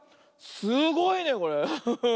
すごいねこれ。